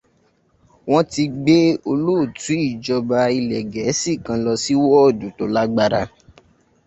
Wọ́n ti gbé olóòtú ìjọba ilẹ̀ Gẹ̀ẹ́sì kan lọ sí wọ́ọ̀dù tó lágbára.